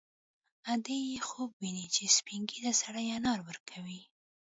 ادې یې خوب ویني چې سپین ږیری سړی انار ورکوي